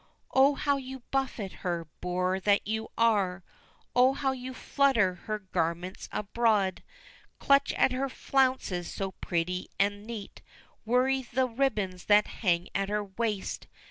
Oh, how you buffet her, boor that you are! Oh, how you flutter her garments abroad! Clutch at her flounces, so pretty and neat! Worry the ribbons that hang at her waist!